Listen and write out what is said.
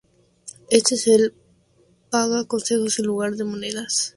Este le paga con consejos en lugar de monedas.